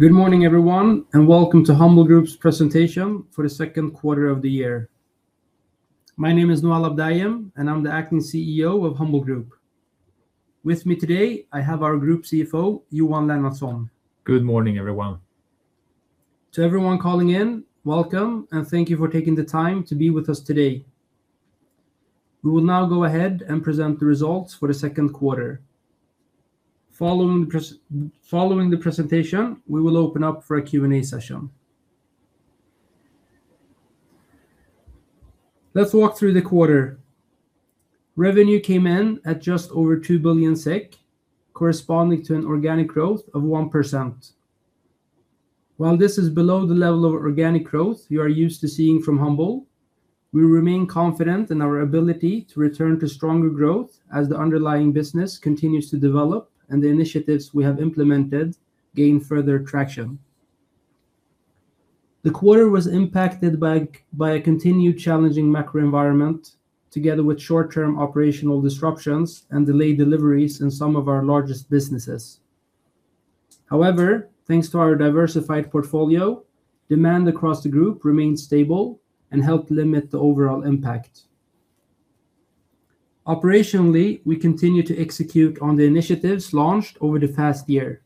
Good morning, everyone, and welcome to Humble Group's presentation for the second quarter of the year. My name is Noel Abdayem, and I'm the Acting CEO of Humble Group. With me today, I have our Group CFO, Johan Lennartsson. Good morning, everyone. To everyone calling in, welcome, and thank you for taking the time to be with us today. We will now go ahead and present the results for the second quarter. Following the presentation, we will open up for a Q&A session. Let's walk through the quarter. Revenue came in at just over 2 billion SEK, corresponding to an organic growth of 1%. While this is below the level of organic growth you are used to seeing from Humble, we remain confident in our ability to return to stronger growth as the underlying business continues to develop and the initiatives we have implemented gain further traction. The quarter was impacted by a continued challenging macro environment, together with short-term operational disruptions and delayed deliveries in some of our largest businesses. However, thanks to our diversified portfolio, demand across the group remained stable and helped limit the overall impact. Operationally, we continue to execute on the initiatives launched over the past year.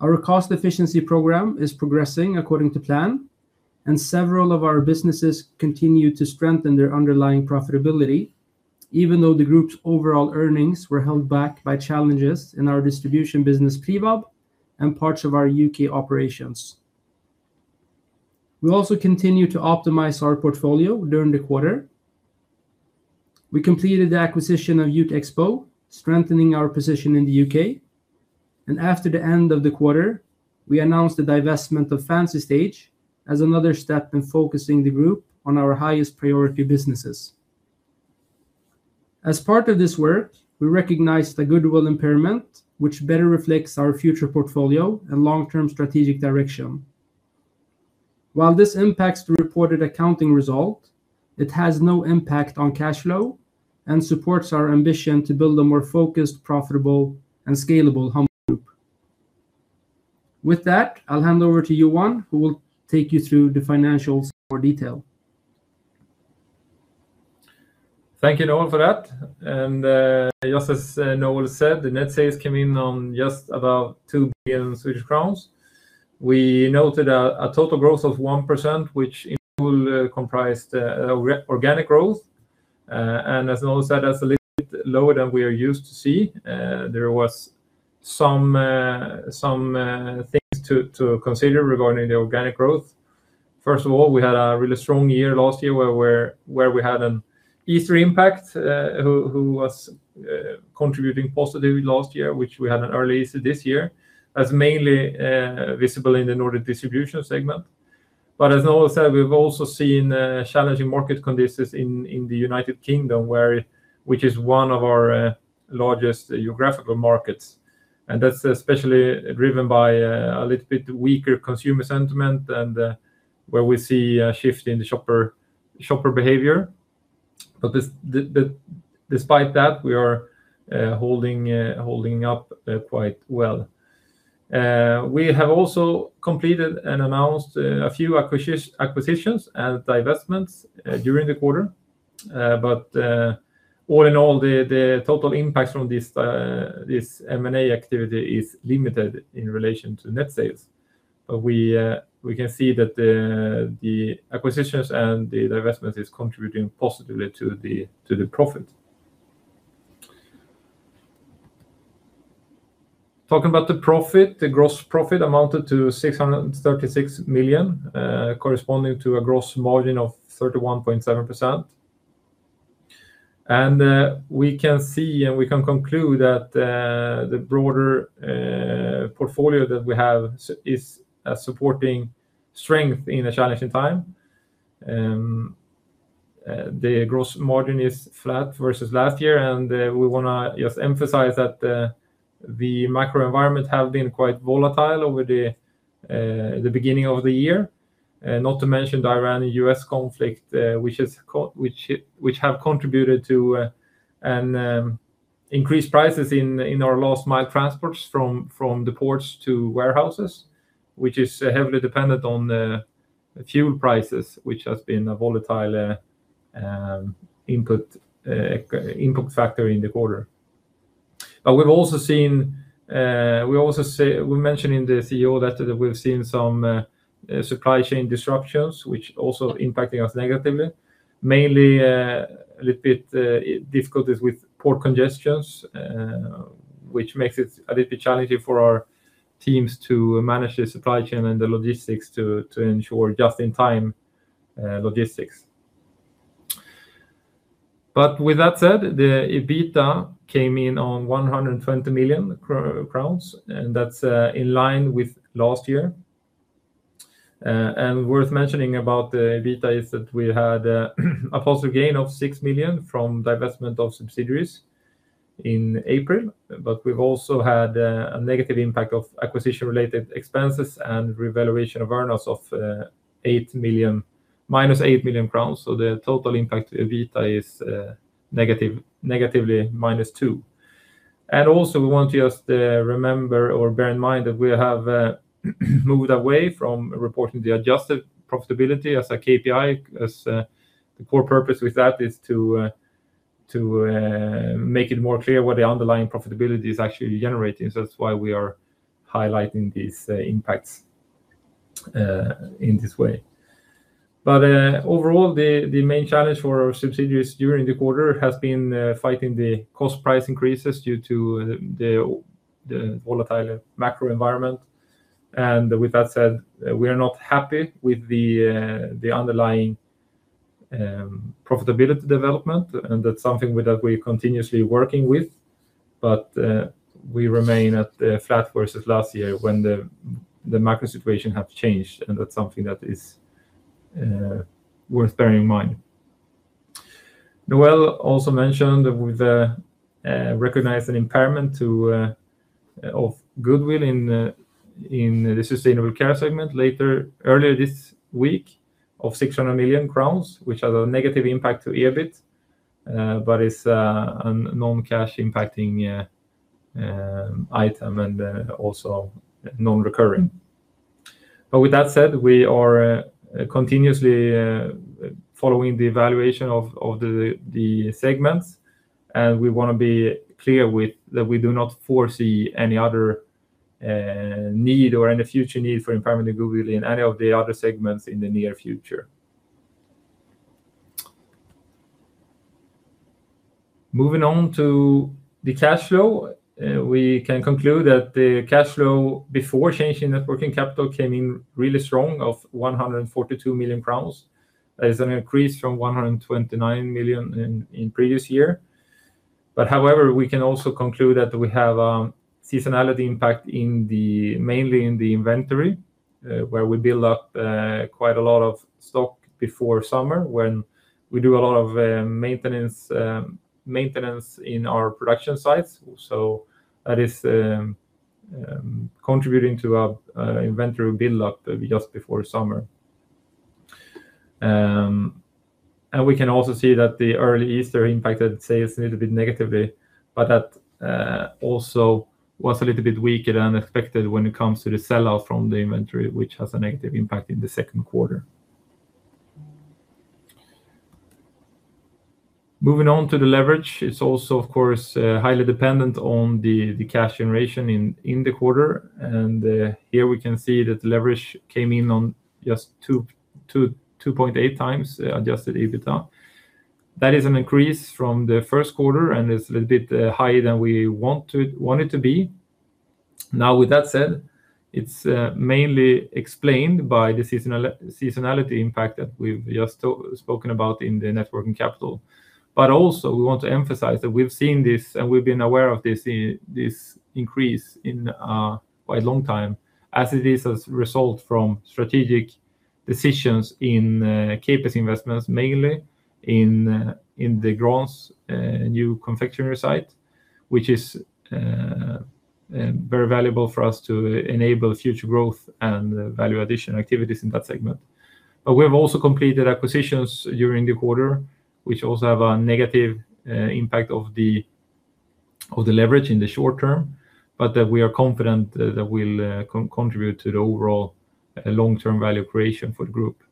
Our cost efficiency program is progressing according to plan, and several of our businesses continue to strengthen their underlying profitability, even though the group's overall earnings were held back by challenges in our distribution business, Privab, and parts of our U.K. operations. We also continued to optimize our portfolio during the quarter. We completed the acquisition of Jutexpo, strengthening our position in the U.K., and after the end of the quarter, we announced the divestment of Fancystage as another step in focusing the group on our highest priority businesses. As part of this work, we recognized a goodwill impairment, which better reflects our future portfolio and long-term strategic direction. While this impacts the reported accounting result, it has no impact on cash flow and supports our ambition to build a more focused, profitable, and scalable Humble Group. With that, I will hand over to Johan, who will take you through the financials in more detail. Thank you, Noel, for that. Just as Noel said, the net sales came in on just about 2 billion Swedish crowns. We noted a total growth of 1%, which in full comprised organic growth. As Noel said, that is a little bit lower than we are used to seeing. There were some things to consider regarding the organic growth. First of all, we had a really strong year last year where we had an Easter impact, who was contributing positively last year, which we had an early Easter this year, as mainly visible in the Nordic Distribution segment. As Noel said, we have also seen challenging market conditions in the United Kingdom, which is one of our largest geographical markets, and that is especially driven by a little bit weaker consumer sentiment and where we see a shift in the shopper behavior. Despite that, we are holding up quite well. We have also completed and announced a few acquisitions and divestments during the quarter. All in all, the total impact from this M&A activity is limited in relation to net sales. We can see that the acquisitions and the divestment is contributing positively to the profit. Talking about the profit, the gross profit amounted to 636 million, corresponding to a gross margin of 31.7%. We can conclude that the broader portfolio that we have is supporting strength in a challenging time. The gross margin is flat versus last year, we want to just emphasize that the macro environment has been quite volatile over the beginning of the year. Not to mention the Iran-U.S. conflict, which has contributed to increased prices in our last mile transports from the ports to warehouses, which is heavily dependent on the fuel prices, which has been a volatile input factor in the quarter. We mentioned in the CEO that we have seen some supply chain disruptions which also impacting us negatively, mainly a little bit difficulties with port congestions, which makes it a little bit challenging for our teams to manage the supply chain and the logistics to ensure just-in-time logistics. With that said, the EBITA came in on 120 million crowns, and that is in line with last year. Worth mentioning about the EBITA is that we had a positive gain of 6 million from divestment of subsidiaries in April, we have also had a negative impact of acquisition-related expenses and revaluation of earnouts of -8 million crowns. The total impact to EBITA is negatively -2 million. Also, we want to just remember or bear in mind that we have moved away from reporting the adjusted profitability as a KPI, as the core purpose with that is to make it more clear what the underlying profitability is actually generating. That's why we are highlighting these impacts in this way. Overall, the main challenge for our subsidiaries during the quarter has been fighting the cost price increases due to the volatile macro environment. With that said, we are not happy with the underlying profitability development, and that's something that we're continuously working with. We remain at flat versus last year when the macro situation have changed, and that's something that is worth bearing in mind. Noel also mentioned that we've recognized an impairment of goodwill in the Sustainable Care segment earlier this week of 600 million crowns, which has a negative impact to EBIT. It's a non-cash impacting item and also non-recurring. With that said, we are continuously following the evaluation of the segments, and we want to be clear that we do not foresee any other need or any future need for impairment of goodwill in any of the other segments in the near future. Moving on to the cash flow, we can conclude that the cash flow before change in working capital came in really strong of 142 million crowns. That is an increase from 129 million in previous year. However, we can also conclude that we have a seasonality impact mainly in the inventory, where we build up quite a lot of stock before summer when we do a lot of maintenance in our production sites. That is contributing to our inventory build-up just before summer. We can also see that the early Easter impacted sales a little bit negatively. That also was a little bit weaker than expected when it comes to the sell-out from the inventory, which has a negative impact in the second quarter. Moving on to the leverage, it's also, of course, highly dependent on the cash generation in the quarter. Here we can see that the leverage came in on just 2.8x adjusted EBITA. That is an increase from the first quarter, and it's a little bit higher than we want it to be. With that said, it's mainly explained by the seasonality impact that we've just spoken about in the networking capital. Also, we want to emphasize that we've seen this, and we've been aware of this increase in quite a long time as it is as a result from strategic decisions in CapEx investments, mainly in the Grahns new confectionery site, which is very valuable for us to enable future growth and value addition activities in that segment. We have also completed acquisitions during the quarter, which also have a negative impact of the leverage in the short term. That we are confident that will contribute to the overall long-term value creation for the group.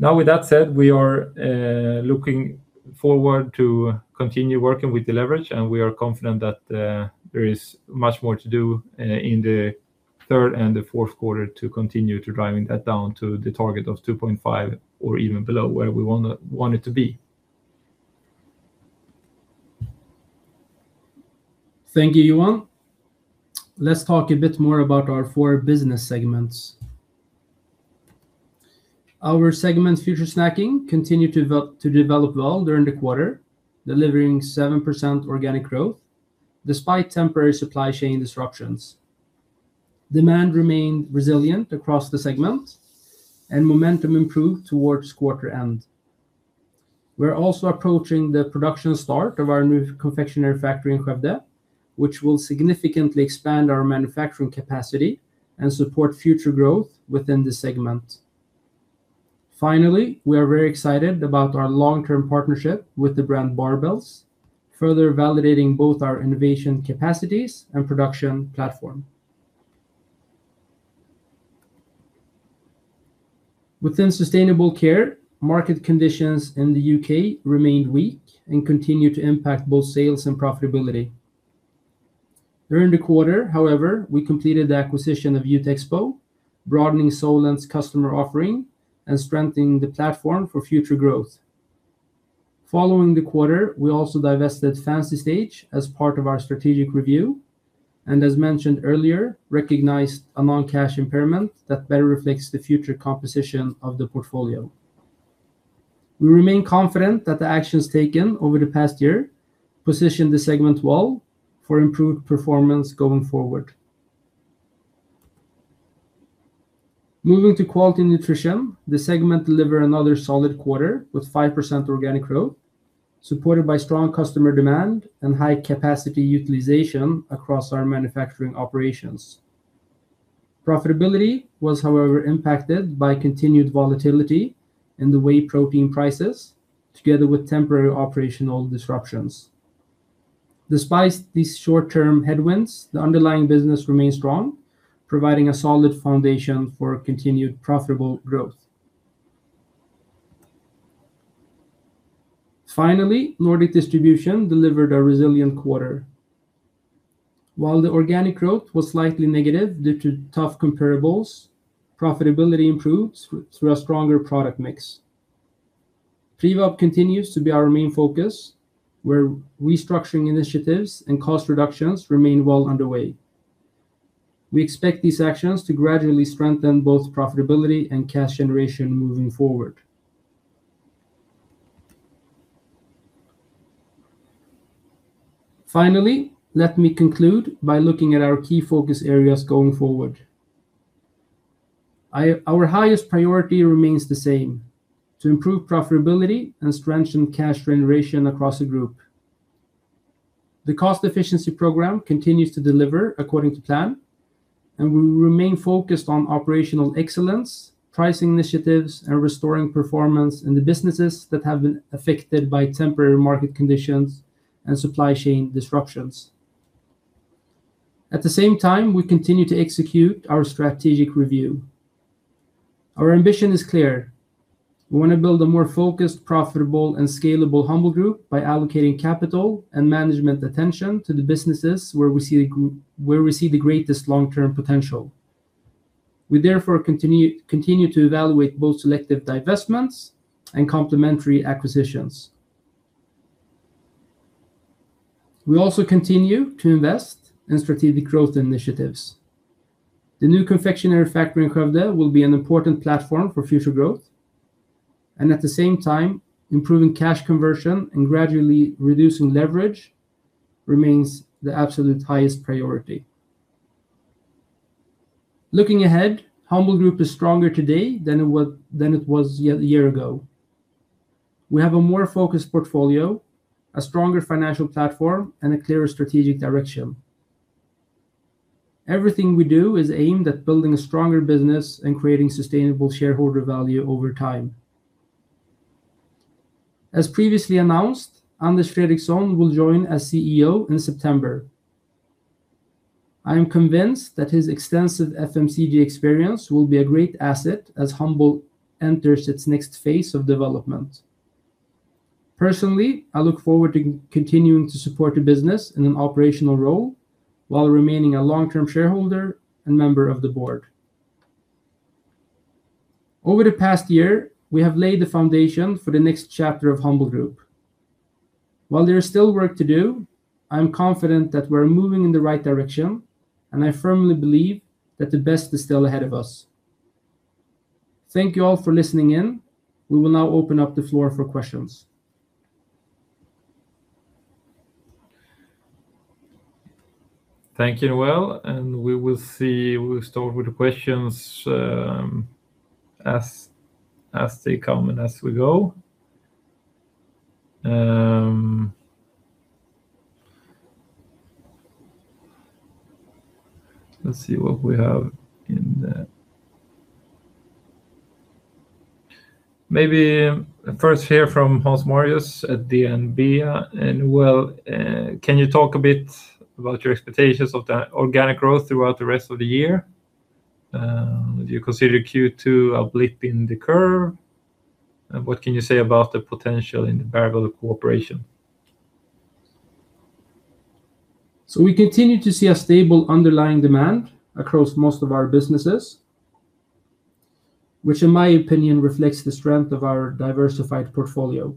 With that said, we are looking forward to continue working with the leverage. We are confident that there is much more to do in the third and the fourth quarter to continue to driving that down to the target of 2.5x or even below where we want it to be. Thank you, Johan. Let's talk a bit more about our four business segments. Our segment Future Snacking continued to develop well during the quarter, delivering 7% organic growth despite temporary supply chain disruptions. Demand remained resilient across the segment. Momentum improved towards quarter end. We're also approaching the production start of our new confectionery factory in Skövde, which will significantly expand our manufacturing capacity and support future growth within the segment. Finally, we are very excited about our long-term partnership with the brand Barebells, further validating both our innovation capacities and production platform. Within Sustainable Care, market conditions in the U.K. remained weak and continued to impact both sales and profitability. During the quarter, however, we completed the acquisition of Jutexpo, broadening Solent's customer offering and strengthening the platform for future growth. Following the quarter, we also divested Fancystage as part of our strategic review. As mentioned earlier, recognized a non-cash impairment that better reflects the future composition of the portfolio. We remain confident that the actions taken over the past year position the segment well for improved performance going forward. Moving to Quality Nutrition, the segment delivered another solid quarter with 5% organic growth. Supported by strong customer demand and high capacity utilization across our manufacturing operations. Profitability was, however, impacted by continued volatility in the whey protein prices, together with temporary operational disruptions. Despite these short-term headwinds, the underlying business remains strong, providing a solid foundation for continued profitable growth. Finally, Nordic Distribution delivered a resilient quarter. While the organic growth was slightly negative due to tough comparables, profitability improved through a stronger product mix. Privab continues to be our main focus, where restructuring initiatives and cost reductions remain well underway. We expect these actions to gradually strengthen both profitability and cash generation moving forward. Finally, let me conclude by looking at our key focus areas going forward. Our highest priority remains the same: to improve profitability and strengthen cash generation across the group. The cost efficiency program continues to deliver according to plan. We remain focused on operational excellence, pricing initiatives, and restoring performance in the businesses that have been affected by temporary market conditions and supply chain disruptions. At the same time, we continue to execute our strategic review. Our ambition is clear. We want to build a more focused, profitable, and scalable Humble Group by allocating capital and management attention to the businesses where we see the greatest long-term potential. We therefore continue to evaluate both selective divestments and complementary acquisitions. We also continue to invest in strategic growth initiatives. The new confectionery factory in Skövde will be an important platform for future growth and at the same time, improving cash conversion and gradually reducing leverage remains the absolute highest priority. Looking ahead, Humble Group is stronger today than it was a year ago. We have a more focused portfolio, a stronger financial platform, and a clearer strategic direction. Everything we do is aimed at building a stronger business and creating sustainable shareholder value over time. As previously announced, Anders Fredriksson will join as CEO in September. I am convinced that his extensive FMCG experience will be a great asset as Humble enters its next phase of development. Personally, I look forward to continuing to support the business in an operational role while remaining a long-term shareholder and member of the Board. Over the past year, we have laid the foundation for the next chapter of Humble Group. While there is still work to do, I am confident that we're moving in the right direction, and I firmly believe that the best is still ahead of us. Thank you all for listening in. We will now open up the floor for questions. Thank you, Noel. We will start with the questions as they come and as we go. Let's see what we have in the Maybe first here from Hans-Marius at DNB. Noel, can you talk a bit about your expectations of the organic growth throughout the rest of the year? Do you consider Q2 a blip in the curve? What can you say about the potential in the Barebells cooperation? We continue to see a stable underlying demand across most of our businesses, which, in my opinion, reflects the strength of our diversified portfolio.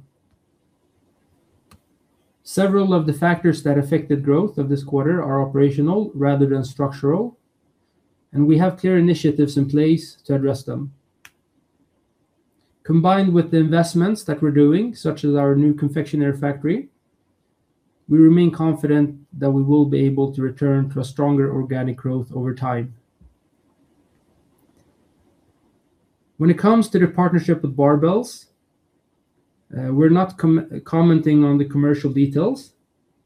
Several of the factors that affected growth of this quarter are operational rather than structural, and we have clear initiatives in place to address them. Combined with the investments that we're doing, such as our new confectionery factory, we remain confident that we will be able to return to a stronger organic growth over time. When it comes to the partnership with Barebells, we're not commenting on the commercial details,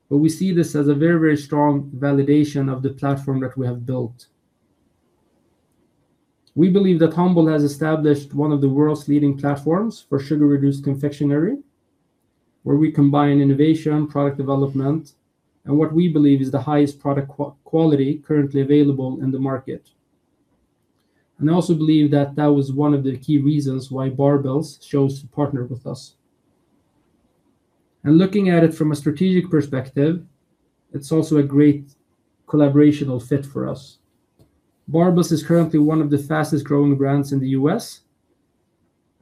but we see this as a very strong validation of the platform that we have built. We believe that Humble has established one of the world's leading platforms for sugar-reduced confectionery, where we combine innovation, product development, and what we believe is the highest product quality currently available in the market. I also believe that that was one of the key reasons why Barebells chose to partner with us. Looking at it from a strategic perspective, it's also a great collaborational fit for us. Barebells is currently one of the fastest-growing brands in the U.S.,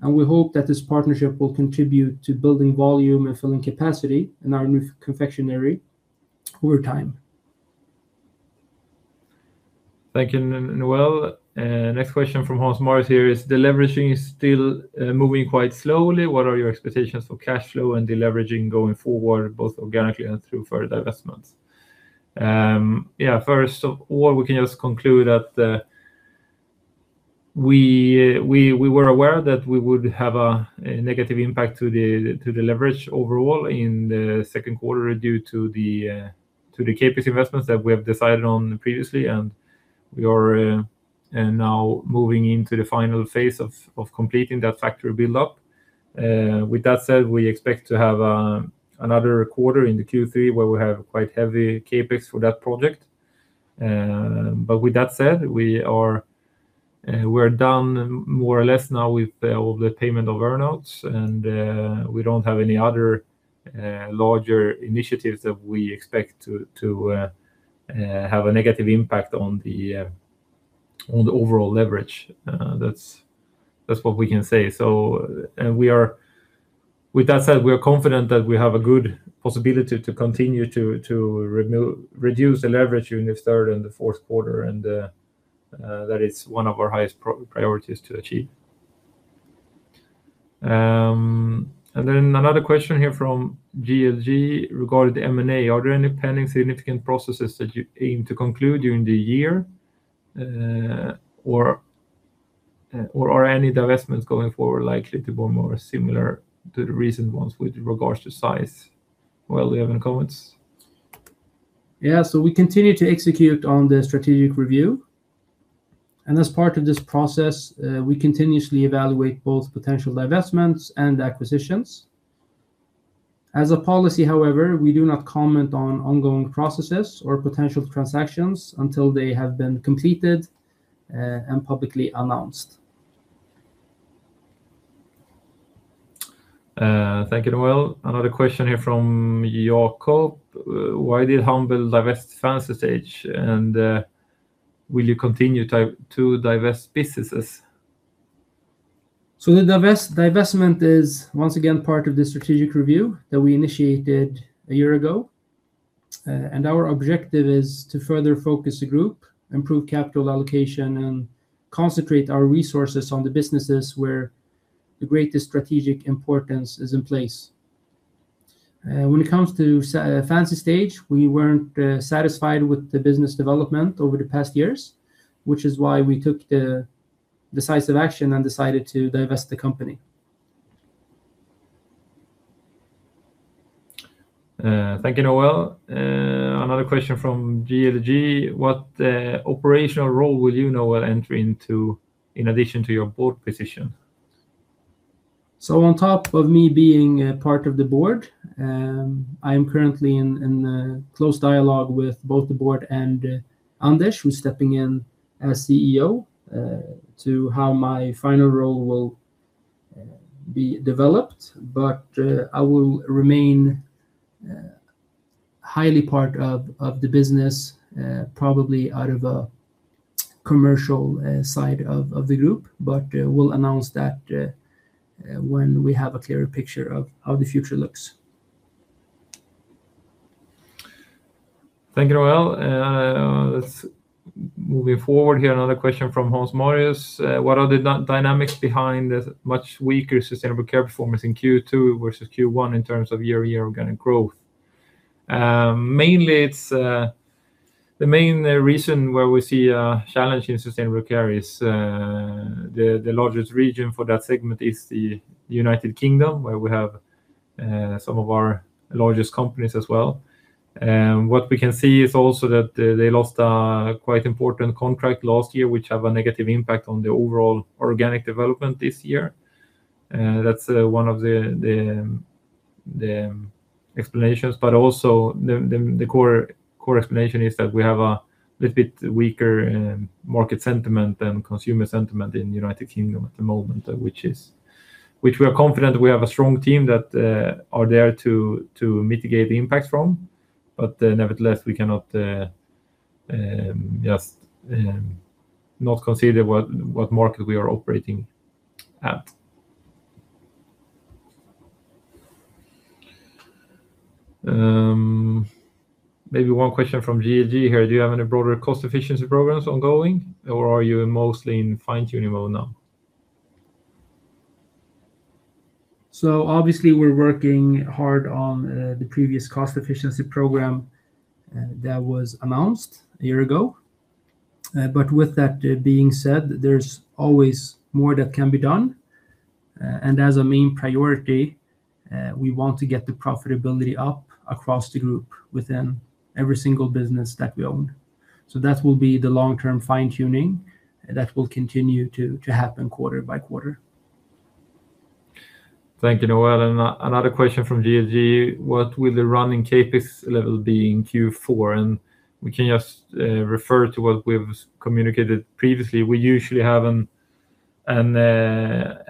and we hope that this partnership will contribute to building volume and filling capacity in our new confectionery over time. Thank you, Noel. Next question from Hans-Marius here is, the leveraging is still moving quite slowly. What are your expectations for cash flow and the leveraging going forward, both organically and through further divestments? First of all, we can just conclude that we were aware that we would have a negative impact to the leverage overall in the second quarter due to the CapEx investments that we have decided on previously, and we are now moving into the final phase of completing that factory build-up. With that said, we expect to have another quarter in the Q3 where we have quite heavy CapEx for that project. With that said, we are done more or less now with all the payment of earn-outs, and we don't have any other larger initiatives that we expect to have a negative impact on the overall leverage. That's what we can say. With that said, we are confident that we have a good possibility to continue to reduce the leverage during the third and the fourth quarter, and that is one of our highest priorities to achieve. Then another question here from GLG regarding the M&A: Are there any pending significant processes that you aim to conclude during the year? Or are any divestments going forward likely to be more similar to the recent ones with regards to size? Noel, do you have any comments? Yeah. We continue to execute on the strategic review, and as part of this process, we continuously evaluate both potential divestments and acquisitions. As a policy, however, we do not comment on ongoing processes or potential transactions until they have been completed and publicly announced. Thank you, Noel. Another question here from Jacob: Why did Humble divest Fancystage? Will you continue to divest businesses? The divestment is, once again, part of the strategic review that we initiated a year ago. Our objective is to further focus the group, improve capital allocation, and concentrate our resources on the businesses where the greatest strategic importance is in place. When it comes to Fancystage, we weren't satisfied with the business development over the past years, which is why we took the decisive action and decided to divest the company. Thank you, Noel. Another question from GLG: What operational role will you, Noel, enter into in addition to your Board position? On top of me being a part of the Board, I am currently in close dialogue with both the Board and Anders, who's stepping in as CEO, to how my final role will be developed. I will remain highly part of the business, probably out of a commercial side of the group, but we'll announce that when we have a clearer picture of how the future looks. Thank you, Noel. Let's move forward here. Another question from Hans-Marius: What are the dynamics behind the much weaker Sustainable Care performance in Q2 versus Q1 in terms of year-over-year organic growth? The main reason where we see a challenge in Sustainable Care is the largest region for that segment is the United Kingdom, where we have some of our largest companies as well. What we can see is also that they lost a quite important contract last year, which have a negative impact on the overall organic development this year. That's one of the explanations, but also the core explanation is that we have a little bit weaker market sentiment than consumer sentiment in the United Kingdom at the moment, which we are confident we have a strong team that are there to mitigate the impact from. Nevertheless, we cannot just not consider what market we are operating at. Maybe one question from GLG here: Do you have any broader cost efficiency programs ongoing, or are you mostly in fine-tuning mode now? Obviously we're working hard on the previous cost efficiency program that was announced a year ago. With that being said, there's always more that can be done. As a main priority, we want to get the profitability up across the group within every single business that we own. That will be the long-term fine-tuning that will continue to happen quarter-by-quarter. Thank you, Noel. Another question from GLG: What will the running CapEx level be in Q4? We can just refer to what we've communicated previously. We usually have a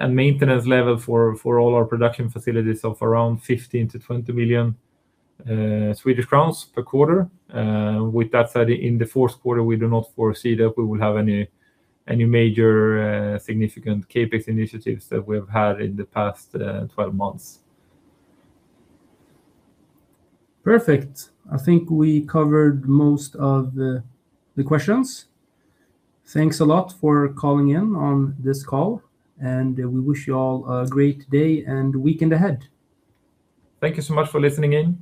maintenance level for all our production facilities of around 15 million-20 million Swedish crowns per quarter. With that said, in the fourth quarter, we do not foresee that we will have any major significant CapEx initiatives that we've had in the past 12 months. Perfect. I think we covered most of the questions. Thanks a lot for calling in on this call. We wish you all a great day and weekend ahead. Thank you so much for listening in.